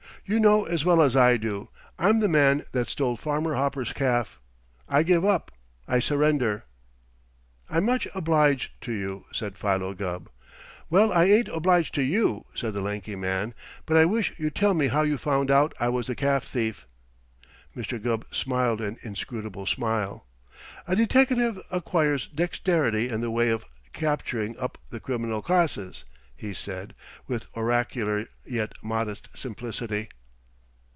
You know as well as I do I'm the man that stole Farmer Hopper's calf. I give up. I surrender." "I'm much obliged to you," said Philo Gubb. "Well, I ain't obliged to you," said the lanky man, "but I wish you'd tell me how you found out I was the calf thief." Mr. Gubb smiled an inscrutable smile. "A deteckative acquires dexterity in the way of capturing up the criminal classes," he said with oracular yet modest simplicity.